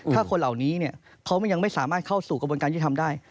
ถ้าคนเหล่านี้เนี่ยเค้ายังไม่สามารถเข้าสู่กระบวนการยี่ทำได้